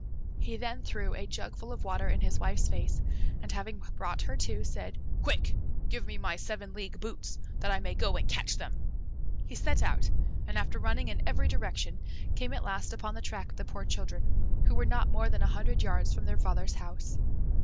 He then threw a jugfull of water in his wife's face, and having brought her to, said, "Quick! give me my seven league boots, that I may go and catch them." He set out, and after running in every direction, came at last upon the track of the poor children, who were not more than a hundred yards from their father's house.